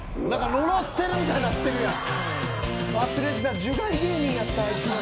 呪ってるみたいになってるやん。